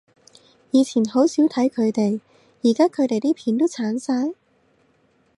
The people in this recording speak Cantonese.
以前好少睇佢哋，而家佢哋啲片都剷晒？